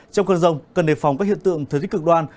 trong cơn rông cần đề phòng các hiện tượng thời tích cực đoan